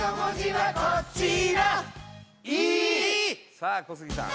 さあ小杉さん